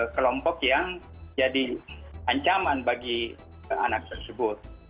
kelompok yang jadi ancaman bagi anak tersebut